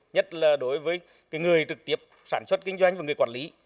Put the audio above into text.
nhất là đối với người trực tiếp sản xuất kinh doanh và người quản lý